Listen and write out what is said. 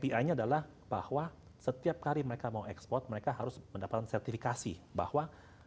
pi nya adalah bahwa setiap kali mereka mau ekspor mereka harus mendapatkan sertifikasi bahwa